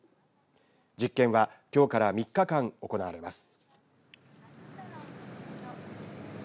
実験はきょうから３日間行われます。